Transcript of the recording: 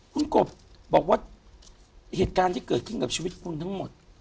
คุณกบบอกว่าเหตุการณ์ที่เกิดขึ้นกับชีวิตคุณทั้งหมด